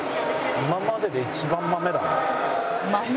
今までで一番豆だ。